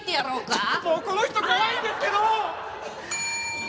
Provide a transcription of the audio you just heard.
ちょっとこの人怖いんですけど！